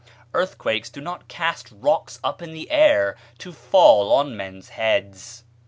Earthquakes do not cast rocks up in the air to fall on men's heads!